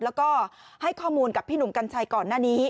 แล้วก็ให้ข้อมูลกับพี่หนุ่มกัญชัยก่อนหน้านี้